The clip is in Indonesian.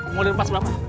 mau dirupas berapa